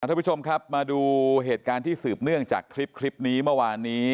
ทุกผู้ชมครับมาดูเหตุการณ์ที่สืบเนื่องจากคลิปนี้เมื่อวานนี้